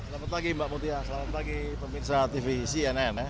selamat pagi mbak mutia selamat pagi pemirsa tv cnn ya